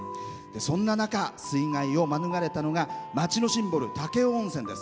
そんな中、水害を免れたのが町のシンボル武雄温泉です。